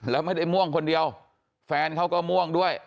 แล้วไม่ได้ม่วงคนเดียวแฟนเขาก็ม่วงด้วย